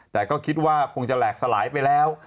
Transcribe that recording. แต่ก็คิดว่าคงจะแหลกสลายไปแล้ว